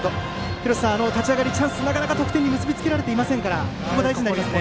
廣瀬さん、立ち上がりチャンスでなかなか得点に結び付けられていないのでここは大事になりますね。